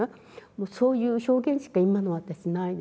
そういう表現しか今の私ないですね。